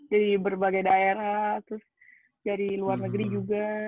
jadi berbagai daerah terus dari luar negeri juga